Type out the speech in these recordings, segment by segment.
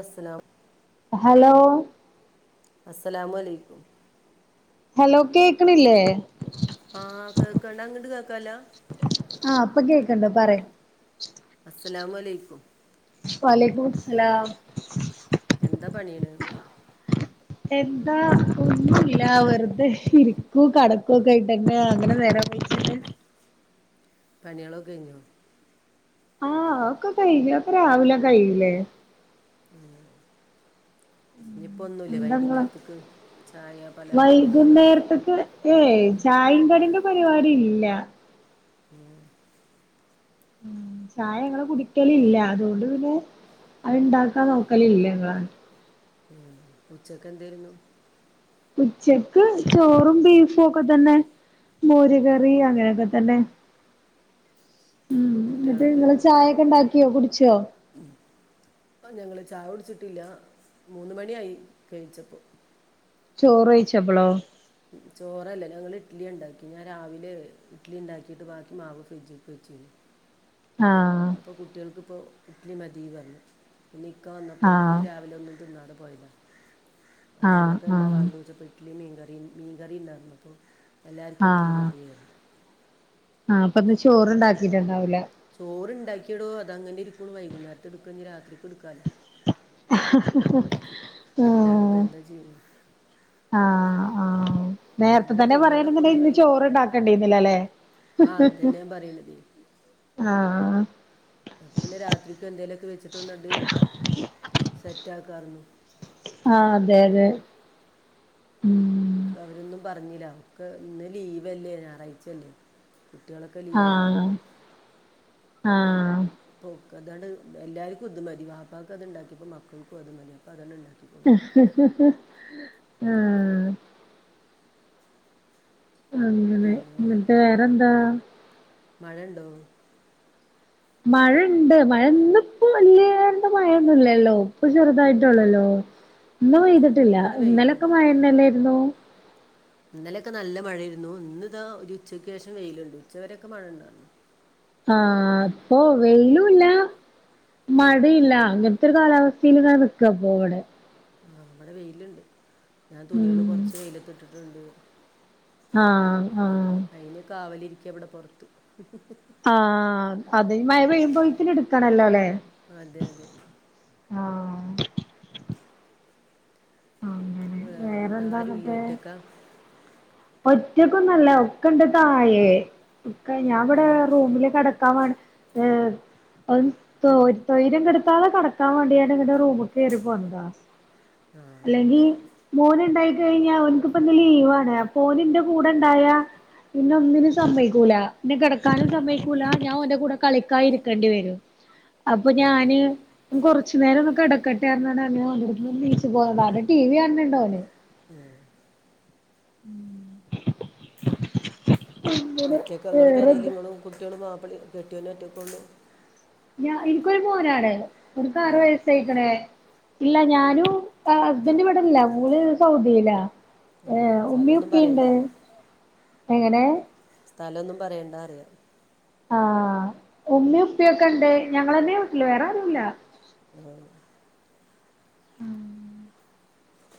അസ്സലാം ഹലോ അസ്സലാമൊലൈക്കും ഹലോ കേക്ക്ണ്ല്ലേ ആഹ് കേക്ക്ണ്ട് അങ്ങട്ട് കേക്കാല്ലാ ആഹ് ഇപ്പൊ കേക്ക്ണ്ട് പറി അസലാമൊലൈക്കും വലൈക്കും മുസ്സലാം എന്താ പണീണ് എന്താ ഒന്നുല്ല വെറ്തെ ഇരിക്കൂ കടക്കോക്കെ ആയിട്ട് തന്നെ അങ്ങനെ നേര എ പണിളോക്കെഴിഞ്ഞോ ആഹ് അതോക്കെ കയിഞ്ഞ് ഒതോക്കെ രാവിലെ കയ്യൂല്ലേ മ്മ് ഇഞ്ഞ്പ്പോന്നുല്ലേ എന്താ ഇങ്ങളെ വൈകുന്നേരത്ത്ക്ക് ചായ പലഹാരോക്കെ ഇണ്ടാക്ക് വൈകുന്നേരത്ത്ക്ക് ഏയ് ചായിം കടിന്റെ പരിപാടി ഇല്ല ഓഹ് ഉം ചായ ഞങ്ങള് കുടിക്കല് ഇല്ല അതോണ്ട് പിന്നെ അത് ഇണ്ടാക്കാൻ നോക്കലില്ലങ്ങള് ഉം ഉച്ചക്ക് എന്തേരുന്നു ഉച്ചക്ക് ചോറും ബീഫും ഒക്കെ തന്നെ മോര് കറി അങ്ങനെയൊക്കെ തന്നെ ഉം ഇന്നെട്ട് കുട്ടികളൊക്കെ ഇങ്ങള് ചായക്കെ ഇണ്ടാക്കിയോ കുടിച്ചോ ഉം ആഹ് ഞങ്ങള് ചായ കുടിച്ചിട്ടില്ല മൂന്ന് മണിയായി കഴിച്ചപ്പം. ചോറ് വഴിച്ചപ്പളോ ചോറല്ല ഞങ്ങൾ ഇഡ്ലിയാ ഇണ്ടാക്കി. ഞാൻ രാവിലെ ഇഡലി ഇണ്ടാക്കീട്ട് ബാക്കി മാവ് ഫ്രിഡ്ജ്ക്ക് വെച്ചീന്ന്. ആഹ് പ്പോ കുട്ട്യോൾക്കിപ്പോ ഇഡ്ലി മതീന്നർഞ്ഞു. പിന്നെ ഇക്ക വന്നപ്പോ ആഹ് ഇപ്പ് രാവിലൊന്നും തിന്നാതെ പോയതാ അപ്പെ ആഹ് ഇങ്ങക്ക് എന്താ ആഹ് വാണ്ടെയ്ച്ചപ്പോ ഇഡ്ലിം മീൻകറിം. മീൻകറിണ്ടാർന്നപ്പോ എല്ലാർക്കും ഇട്ട്ലി ആഹ് മതീ യർഞ്ഞു. ആഹ് അപ്പ ന്ന് ചോറ്ണ്ടാക്കിട്ടുണ്ടാവൂലെ. ചോറ് ഇണ്ടാക്കിയെടോ അത് അങ്ങനെ ഇരിക്ക്ണു വൈകുന്നേരത്ക്ക് ഇടുക്കാ രാത്രിക്കും ഇട്ക്കാലോ അല്ലാണ്ട് ഇപ്പ ആഹ് എന്താ ചെയ്ന്നെ ആഹ് ആഹ് നേര്ത്ത അങ്ങനെ തന്നെ തുണികളൊക്കെ പറയാണ്ന്ന്ണ്ടേൽ ഒന്ന് ഇന്ന് ചോറ്ണ്ടാക്കണ്ടീന്നിലാല്ലേ. ആഹ് അത് തന്നെ ഞാൻ പറിണതെ. ആഹ് അപ്പപിന്നെ രാത്രിക്കോന്തേലൊക്കെ വെച്ചിട്ട് ഒന്നാണ്ട് സെറ്റാക്കാരുന്നു. ആഹ് അതെയതെ. മ് അവരൊന്നും പറഞ്ഞില. ക്കെ ഇന്ന് ലീവല്ലേ ഞായറായ്ചല്ലേ. കുട്ട്യോളൊക്കെ ലീവല്ലേ. ആഹ് ആഹ് പ്പോക്കതാണ്ട് എല്ലാർക്കും ഇതുമതി ബാപ്പാക്ക് അത് ഇണ്ടാക്കിപ്പോ മക്കൾക്കും അതുമതി അപ്പൊ അതാണ്ട് ണ്ടാക്കി. ആഹ് അങ്ങനെ. പിന്നെ ഇന്നട്ട് വേറെന്താ? മഴ ണ്ടോ? മഴ ണ്ട്. മഴ ഇന്നിപ്പോ വല്ല്യാണ്ട് മഴയൊന്നുല്ലല്ലോ ഇപ്പ ചെറുതായിട്ടൊള്ളൊല്ലോ ഇന്നു ഉം. ഇപ്പൊ പെയ്തിട്ടില്ല. ഇവിടെ ഇന്നലൊക്കെ വെയിലുണ്ട്. മഴന്നല്ലായിരുന്നു. ഇന്നലെയൊക്കെ നല്ല മഴയേരുന്നു ഇന്ന് ദാ ഒരുച്ചയ്ക്ക് ശേഷം വെയിലുണ്ട്. ഉച്ചവരെക്കെ മഴ ണ്ടായിരുന്നു. ആഹ്. ഇപ്പൊ വെയ്ലൂല്ല മഴീല്ല. അങ്ങൻത്തെ ഒരു കാലാവസ്ഥീൽ ങ്ങനെ നിക്കാപ്പോ വടെ. അഹ് വടെ വെയില്ണ്ട്. ഞാൻ തുണികള് ഉം കൊറച്ച് വെയ്ലത്തിട്ടിട്ടുണ്ട്. ആഹ് ആഹ് അയ്ന് കാവലിരിക്യാ വടെ പൊർത്ത് ആഹ്. അതിനി മഴ പെയ്യുമ്പോഴ്ത്തിന്ട്ക്കണല്ലോ ല്ലെ അതെ അതെ. ആഹ് അങ്ങനെ വേറെന്താ ആരുല്ല്യെ വേറെന്താന്നിട്ട് ഒറ്റക്കാ ഒറ്റക്കൊന്നല്ല ഒക്കെ ഇണ്ട് താഴേ ഇക്ക ഞാൻ ഇവടെ ഏഹ് റൂമില് കെട ക്കാൻ വാണ് ഏഹ് ഒന്ന് തോ തൊയ്ര്യം കെടുത്താതെ കടക്കാൻ വേണ്ടിക്കാണ്ട് ഇങ്ങട്ട് റൂമ്ക്കേറി പോന്നതാ. ആഹ് അല്ലെങ്കി മോന് ഇണ്ടായി കഴിഞ്ഞാ ഓന്ക് ഇപ്പ ന്ന് ലീവാണ് അപ്പൊ ഓൻ ഇന്റെ കൂടെ ഇണ്ടായാ പിന്നെ ഒന്നിനും സമ്മയ്ക്കൂല. ഇന്നെ കെടക്കാനും ആഹ് സമയ്ക്കൂല ഞാൻ ഓന്റെ കൂടെ കളിക്കാന് ഇരിക്കണ്ടി വരും. അപ്പ ആഹ്. ഞാന് കൊറച്ചു നേരംന്നൊന്ന് കെടക്കെട്ടെ പർഞ്ഞാണ്ട് അങ്ങനെ ഓൻ്റെട്ത്ത്ന്ന് നീച് ച്ച് പോന്നതാ. അടെ ടി വി കാണ് ണ് ണ്ടോന്. ഏഹ് മ് ഒറ്റക്കാ ഇങ്ങള് പെരേല് ഇങ്ങളും കുട്ട്യോളും മാപ്പിളീം കെടട്ട്യോനും ഒറ്റക്കൊള്ളു? ഞാ ഇന്ക്കൊരു മോനാണ് ഓൻകാറു ആഹ് വയസ്സായ് ഇതങ്ങനെ ഇല്ല ഞാനും ഹസ്ബന്ണ്ട് ഇവിടല്ല ഓള് സൗദിലാ ആഹ് ഏഹ് ഉമ്മി സ്ഥലൊന്നും പറയണ്ട. ഉപ്പിണ്ട് എങ്ങനെ സ്ഥലന്നും പറയണ്ടാറിയ ആഹ് ഉമ്മിം ഉപ്പിയൊക്കെ ഉണ്ട്. ഞങ്ങളന്നെ വീട്ടിൽ വേറെ ആരുല്ല. ആഹ് ഉം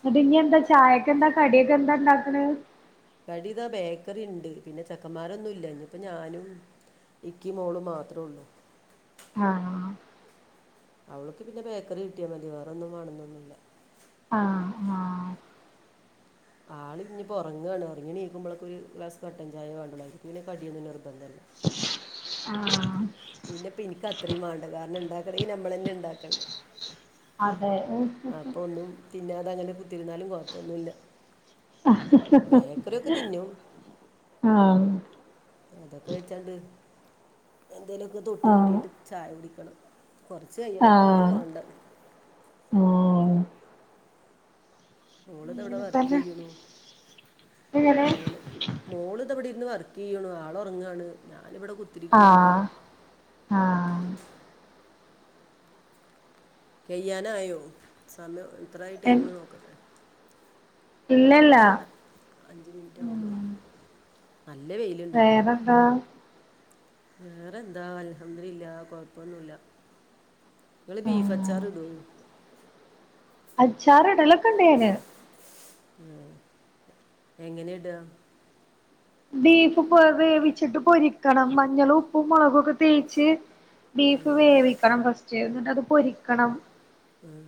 ന്നട്ട് ഇഞ്ഞ് എന്താ ചായക്ക് എന്താ കടിയൊക്കെ എന്താ ഇണ്ടാക്കണ് കടി ദാ ബേക്കറി ഉണ്ട്പിന്നെ ചെക്കന്മാരൊന്നും ഇല്ല ഇഞ്ഞ്പ്പ ഞാനും ഇക്കി മോള് മാത്രം ഉള്ളൂ. ആഹ് അവൾക്ക് പിന്നെ ബേക്കറി കിട്ടിയാ മതി വേറൊന്നും വേണം എന്നോന്നുല്ല ആ ഞാ ആള് ഇഞ്ഞ് ഇപ്പോൾ ഉറങ്ങാണ്ഉറങ്ങി നീക്കുമ്പോളെക്കൊരു ഒരു ഗ്ലാസ് കട്ടൻ ചായ വേണ്ടുള്ളു അതിലേക്ക് പിന്നെ കടിയൊന്നും നിർബന്ധല്ല ആഹ് പിന്നെപ്പം എനിക്ക് അത്രയും വാണ്ട കാരണം ഉണ്ടാക്കണമെങ്കിൽ നമ്മളെന്നെ ഉണ്ടാക്കണ്ടേ അതെ അപ്പോ ഒന്നും തിന്നതെ അങ്ങനെ കുത്തിരുന്നാലും കുഴപ്പൊന്നുല്ല ഹ ഹ ഹആഹ് അതൊക്കെ വച്ചാണ്ട് എന്തേലുമൊക്കെ തൊട്ട് ആഹ് കൂട്ടിട്ട് ചായ കുടിക്കണം കുറച്ച് കയ്യണം ഇപ്പോളൊന്നും വാണ്ട ഓ ഓള് ദാ ഇവിടെ അങ്ങനെ വർക്ക് തന്നെ ചെയ്യുണു എങ്ങനെ മോള് മോൾ ഇതാ ഇവിടെ ഇരുന്ന് വർക്ക് ചെയ്യുണു ആൾ ഉറങ്ങാണ് ഞാനിവിടെ കു ആഹ് ആഹ് കഴിയാനായോ സമയം എത്ര ആയി എൻ ടൈമ് നോക്കട്ടെ ഇല്ലല്ല ല്ല അഞ്ച് മിനിറ്റ് ആവണേ ഉം ഉള്ളു നല്ല വെയിലുണ്ട് ട്ടോ ന്താ വേറെന്താ അൽഹംദുലില്ലാഹ് കൊഴപ്പൊന്നുമില്ല നിങ്ങൾ ബീഫ് ഉം അച്ചാർ ഇടുമോ അച്ചാറ് ഇടലൊക്കെണ്ട് ഞാൻ ഉം എങ്ങനെ ഇണ്ട് ബീഫ് വേവിച്ചിട്ട് പൊരിക്കണം മഞ്ഞളും ഉപ്പും മുളകൊക്കെ തേച്ച് ബീഫ് വേവിക്കണം ഫസ്റ്റ് എന്നിട്ട് അത് പൊരിക്കണം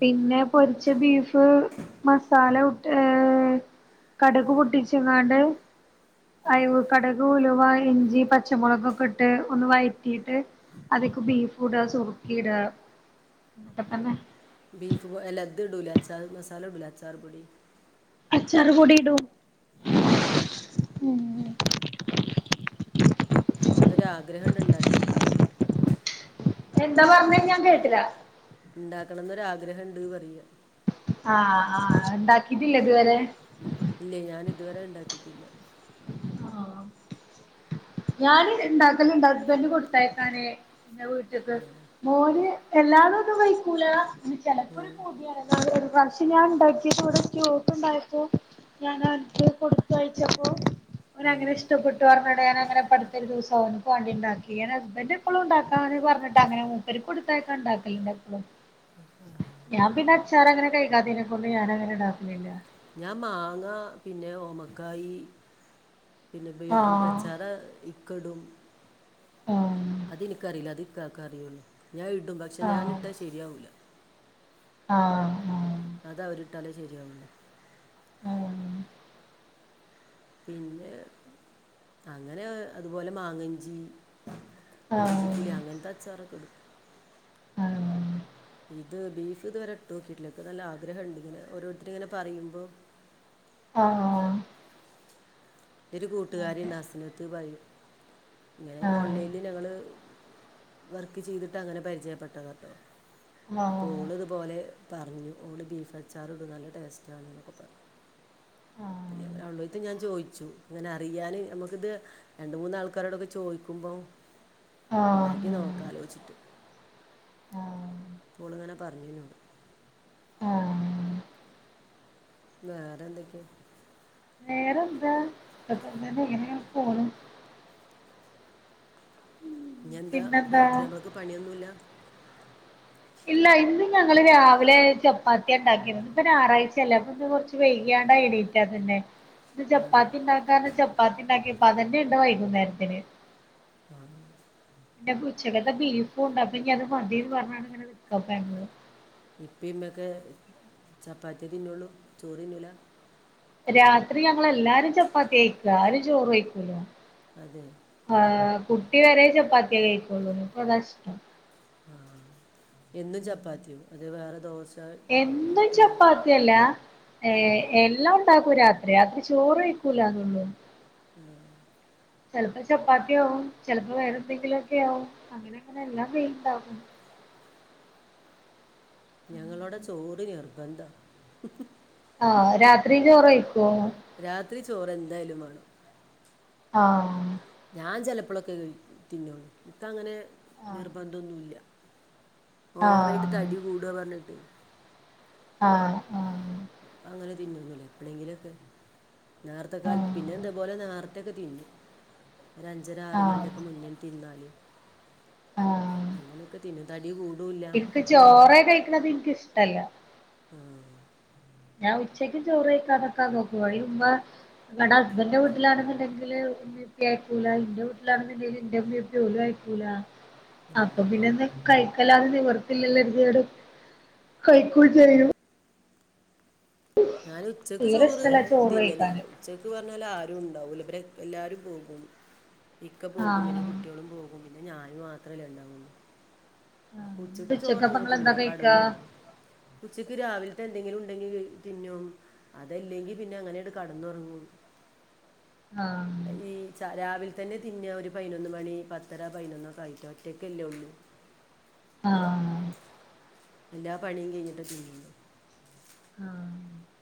പിന്നെ പൊരിച്ച ബീഫ് മസാല ഏഹ് കടക് പൊട്ടിച്ചങ്ങാണ്ട് അയവ് കടക് ഉലുവ ഇഞ്ചി പ പച്ചമുളകൊക്കെ ഇട്ട് ഒന്ന് വയറ്റിട്ട് അതിക്ക് ബീഫ് ഇടുക സുർക്കിം ഇട അതൊക്കെ തന്നെ ബീഫ് പോലെ ദ് ഇടൂലേ അച്ചാർ മസാല ഇടൂലെ അച്ചാർ പൊടി അച്ചാറ് പൊടി ഇടും ആഹ് മ്മ് ഒന്നൊരാ ആഗ്രഹം ണ്ട് ഉണ്ടാക്കി നോക്കാർന്നു എന്താ പറഞ്ഞത് ഞാൻ കേട്ടില്ല ഉണ്ടാക്കണം എന്ന് ഒരാഗ്രഹണ്ട് എന്ന് പറയ ആഹ് ആഹ് ഉണ്ടാക്കിട്ടില്ലേ ഇതുവരെ ഇല്ലേഞാൻ ഇതുവരെ ഉണ്ടാക്കിട്ടില്ല ഞാൻ ഇണ്ടാക്കല് ഇണ്ട് ഹസ്ബൻഡ് കൊടുത്തേയക്കാന്പിന്നെ വീട്ട്ക്ക് മോന് എല്ലാതും ഒന്നും കൈക്കൂല പിന്ന ചെ ആഹ് ന്നാൾ ഒരു പ്രാവശ്യം ഞാൻ ഉണ്ടാക്കിയപ്പോ ഇവിടൊരു ക്യൂട്ട് ഉണ്ടായപ്പോ ഞാന് ഓൻക്ക് കൊടുത്തഴച്ചപ്പോ അവനങ്ങനെ ഉം. ഇഷ്ടപ്പെട്ടു പറഞ്ഞട ഞാനങ്ങനെ അടുത്ത ഒരു ദിവസം അവൻക്ക് വേണ്ടിണ്ടാക്കി ഞാൻ ഹസ്ബൻഡ് എപ്പോളും ഉണ്ടാക്കാന് പറഞ്ഞിട്ടങ്ങനെ മൂപ്പർക്ക് കൊടു ത്തയക്കാൻ ഉണ്ടാക്കലണ്ട് എപ്പോളും. ഞാൻ പിന്നെ അച്ചാർ അങ്ങനെ കൈക്കത്തീനെ കൊണ്ട് ഞാൻ അങ്ങനെ ഇണ്ടാക്കലില്ല ഞാൻ മാങ്ങ പിന്നെ ഓമക്കായി പിന്നെ ബീറ്റ്റൂട്ട് ആഹ് അച്ചാറ് ഇക്ക ഇടും ആഹ് അതെനിക്കറിയില്ല അത് ഇക്കാക്കെ അറിയുള്ളൂ ഞാൻ ഇടും പക്ഷെ ആഹ് ഞാനിട്ടാ ശരിയാവൂല ആഹ് ഹ് അത് അവരിട്ടാലേ ശരിയാവുള്ളു ആഹ് പിന്നെ അങ്ങനെ അതുപോലെ മാങ്ങഞ്ചി ഇഞ്ചി ആഹ് ഇല്ല്യ അങ്ങനത്തെ അച്ചാറൊക്കെ ഇടും ആഹ് ഇത് ബീഫ് ഇതുവരെ ഇട്ട് നോക്കീട്ടില്ല എനിക്ക് നല്ല ആഗ്രഹം ഉണ്ട് ഇങ്ങനെ ഓരോരുത്തരിങ്ങനെ പറയുമ്പോ ആഹ് ഹ് ഒരു അതെ കൂട്ടുകാരിയുണ്ട് അസ്നത്ത് പറയും ഇങ്ങനെ ആഹ് ഓൺലൈനിൽ ഞങ്ങള് വർക്ക് ചെയ്തിട്ട് അങ്ങനെ പരിചയപ്പെട്ടതാട്ടോ അപ്പൊ ആഹ് ഓള് ഇതുപോലെ പറഞ്ഞു ഓള് ബീഫ് അച്ചാറ് ഇടും നല്ല ടേസ്റ്റ് ആണ് എന്നൊക്കെ പറഞ്ഞു പിന്നെ ആഹ് അവളുടെ അടുത്ത് ഞാൻ ചോദിച്ചു ദിച്ചു ഇങ്ങനെ അറിയാനും നമുക്കിത് രണ്ട് മൂന്നാൾക്കാരോടൊക്കെ ചോദിക്കുമ്പോ ആഹ് ഇണ്ടാക്കി നോക്കലോച്ചിട്ട് ആഹ് അപ്പോ ഓളങ്ങനെ പറഞ്ഞിന്നോട് ആഹ് വേറെ എന്തൊക്കെയ വേറെ എന്താ എന്താങ്ങനെ പോണ് ഇന്നെന്താ പിന്നെന്താ രാത്രി ഞമ്മൾക്ക് പണിയൊന്നുമില്ല ഇല്ല ഇന്ന് ഞങ്ങള് രാവിലെ ചപ്പാത്തിയാ ഉണ്ടാക്കിയത് ഇപ്പൊ ഞായറാഴ്ചയല്ലെ അപ്പൊ ഇന്ന് കൊറച്ച് വൈകിയാണ്ടാ എണീറ്റാതന്നെ ഇന്ന് ആ, ചപ്പാത്തി ഇണ്ടാക്കാന് ചപ്പാത്തി ഇണ്ടാക്കി അപ്പൊ അതന്നെ ഉണ്ട് വൈകുന്നേരത്തിന് [inaudible] പിന്നെ ഉച്ചക്കത്തെ ബീഫും ഉണ്ട് അപ്പൊ ഇനി അത് മതിന്ന് പറഞ്ഞാണ് ഇങ്ങനെ വിട്ടക്കേ ഇപ്പേം ഇമ്മേം ഒക്കെ ചപ്പാത്തിയേ തിന്നുള്ളു ചോറ് തിന്നൂല രാത്രി ഞങ്ങളെല്ലാരും ചപ്പാത്തിയ കയ്ക്കുവാ ആരും ചോറ് കയിക്കൂല അതെ ആഹ് കുട്ടി വരെ ചപ്പാത്തിയെ കഴിക്കോള്ളൂ അവൾക്കതാ ഇഷ്ടം ആഹ് എന്നും ചപ്പാത്തിയും അത് വേറെ ദോശ എന്നും ഇഡ്ഡലിയോ ചപ്പാത്തിയല്ല ഏഹ് എല്ലാം ആക്കും രാത്രി അത്ര ചോറ് ആക്കൂലന്നുള്ളൂ [inaudible] ചിലപ്പോ ചപ്പാത്തിയാവും ചിലപ്പോ വേറെ എന്തെങ്കിലുമൊക്കെ ആകും അങ്ങനെ അങ്ങനെ എല്ലാം വെയിണ്ടകും ഞങ്ങളിവിടെ ചോറ് നിർബന്ധ ആഹ് രാത്രീം ചോറ് കയിക്കുവോ രാത്രി ചോറ് എന്തായാലും വേണം ആഹ് ഞാൻ ചിലപ്പോഴൊക്കെ കഴിക്കു തിന്നോള്ളു നിക്ക് അങ്ങനെ ആഹ് നിർബന്ധമൊന്നുമില്ല ഓവറായിട്ട് ആഹ് തടി കൂടുവാ പറഞ്ഞിട്ട് ആഹ് ഹ് അങ്ങനെ തിന്നുവൊന്നുല്ല എപ്പോഴെങ്കിലൊക്കെ നേർത്തും ആഹ് കാലത്തും പിന്നെ എന്തതുപോലെ നേരത്തെ ഒക്കെ തിന്നും ഒരു അഞ്ചര ആറ് ആഹ് മണിൻ്റെ ഒക്കെ ആഹ് മുന്നേ തിരന്നാല് അങ്ങനൊക്കെ തിന്നും തടി കൂടൂല്ല എനിക്ക് ചോറെ കഴിക്കണത് എനിക്കിഷ്ടമല്ല ആഹ് ഞാൻ ഉച്ചക്കും ചോറ് കഴിക്കാനൊക്കെ നോക്കുവ അതിന് മുമ്പേ ഇവടെ ഹസ്ബൻ്റിൻ്റെ വീട്ടിലാണെന്നുണ്ടെങ്കില് [unintelligible] അപ്പൊ പിന്നെ എന്തെലും കയിക്കാൻ അല്ലാതെ നിവർത്തിയില്ലല്ലെതികേടും കൈക്കൂംചെയ്യും ഞാനുച്ചക്ക് തീരെ ചോറ് ഇഷ്ടല്ല ചോറ് തിന്നലില്ല കഴിക്കാന് ഉച്ചക്ക് പറഞ്ഞാലാരും ഉണ്ടാവുല പിന്നെ എല്ലാരും പോകും ഇക്ക പോകും പിന്നെ കു ആഹ് ട്ട്യോളും പോകും പിന്നെ ഞാൻ മാത്രല്ലേ ഇണ്ടാവുള്ളു ആഹ് ന്നിട്ട് ആപ്പുച്ചക്ക് ഉച്ചക്കപ്പ ചോറങ്ങനെ ഇങ്ങളെന്താ തിന്നൂല കഴിക്കാ കെടന്നൊറങ്ങും ഉച്ചക്ക് രാവിലത്തെന്തെങ്കിലുണ്ടെങ്കില് തിന്നും അതല്ലെങ്കി പിന്നെ അങ്ങനെയണ്ട് കെടന്നൊറങ്ങും ആഹ് ഈ രാവിലെതന്നെ തിന്ന ഒരു പയിനൊന്ന് മണി പത്തര പയിനൊന്നൊക്കെയായിട്ട് ഒറ്റക്കല്ലുള്ളൂ ആഹ് എല്ലാ പണിയും കയിഞ്ഞിട്ടാ തിന്ന്ന്നെ ആഹ്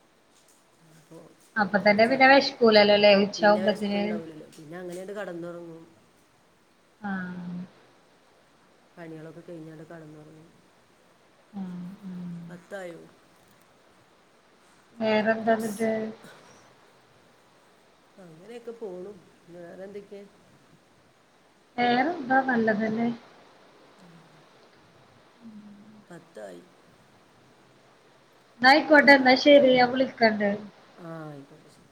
അപ്പൊ അപ്പൊതന്നെ പിന്നെ വെശ്കൂല്ലല്ലോലേ ഉച്ചയാവുമ്പത്തിന് പിന്നെങ്ങനെയണ്ട് കെടന്നൊറങ്ങും ആഹ് പണികളൊക്കെ കയിഞ്ഞാണ്ട് കെടന്നൊറങ്ങും ആഹ് ഉം പത്തായോ വേറെന്താന്ന്ട്ട് ഇങ്ങനെയൊക്കെ പോണു പിന്നെ വേറെന്തെക്കെയാ വേറെന്താ നല്ലതല്ലേ ഉം ഉം പത്തായി എന്നായിക്കോട്ടെ എന്നാശെരി ഞാ വിളിക്കണ്ട് ആഹ് ആയിക്കോട്ടെ ശെരി